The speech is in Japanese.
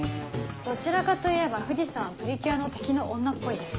どちらかといえば藤さんはプリキュアの敵の女っぽいです。